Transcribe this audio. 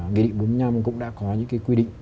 nghị định bốn mươi năm cũng đã có những cái quy định